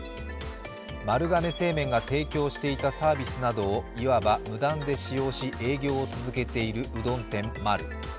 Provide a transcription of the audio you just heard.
丸亀製麺が提供していたサービスなどをいわば無断で使用し、営業を続けているうどん店「マル」。